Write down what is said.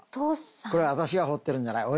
これ私が彫ってるんじゃない。